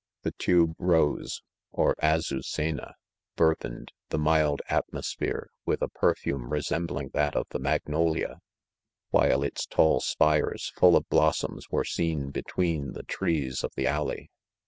The.. tube rose, or "aziicena," burthened the. imtd, atEao:sphere, with, a perfume resembling that of the magnolia ; while its tall spires, foil of blossoms, were seen betwen the trees of the alley.